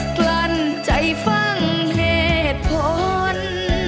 กลั้นใจฟังเหตุผล